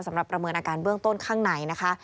ประเมินอาการเบื้องต้นข้างในนะคะ